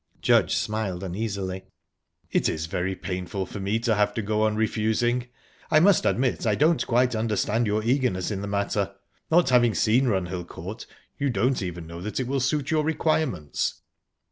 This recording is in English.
Judge smiled uneasily. "It's very painful to me to have to go on refusing. I must admit I don't quite understand your eagerness in the matter. Not having seen Runhill Court, you don't even know that it will suit your requirements."